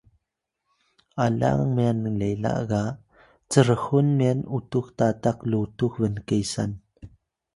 alang myan lela ga crxun myan utux tatak lutux bnkesan